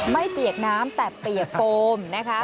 เปียกน้ำแต่เปียกโฟมนะคะ